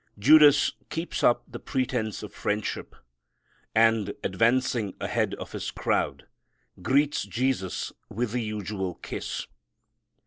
Judas keeps up the pretense of friendship, and, advancing ahead of his crowd, greets Jesus with the usual kiss.